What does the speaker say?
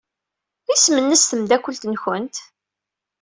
Isem-nnes tmeddakelt-nwent?